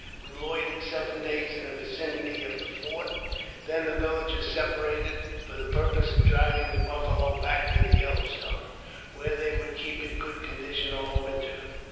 We loitered seven days in the vicinity of the fort ; then the villages separated, for the purpose of driving the buffalo back to the Yellow Stone, where they would keep in good conditio] all winter.